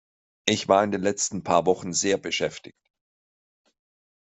Ich war in den letzten paar Wochen sehr beschäftigt.